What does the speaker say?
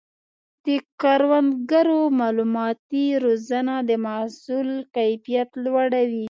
د کروندګرو مالوماتي روزنه د محصول کیفیت لوړوي.